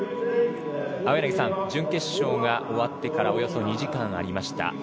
青柳さん、準決勝が終わってからおよそ２時間ありました。